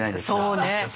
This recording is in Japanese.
そうね！